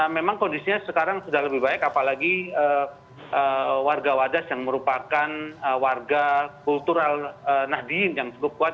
memang kondisinya sekarang sudah lebih baik apalagi warga wadas yang merupakan warga kultural nahdien yang cukup kuat